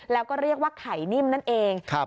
แล้วก็เรียกว่าไข่นิ่มนั่นเอง